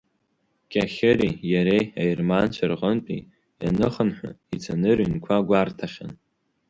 Кьахьыри иареи аерманцәа рҟынтәи ианыхынҳәы, ицаны рыҩнқәа гәарҭахьан.